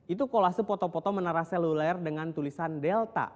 itu kolase foto foto menara seluler dengan tulisan delta